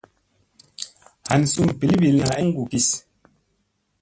Han sum ɓilɓilla ay suŋgu kis.